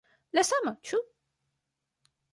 La sama, ĉu?